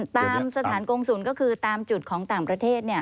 ตามสถานกงศูนย์ก็คือตามจุดของต่างประเทศ